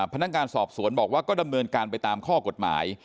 พนักงานสอบสวนบอกว่าก็ดำเนินการไปตามข้อกฎหมาย